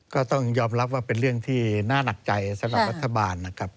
ก็ต้องยอมรับว่าเป็นเรื่องที่น่าหนักใจสำหรับรัฐบาลนะครับ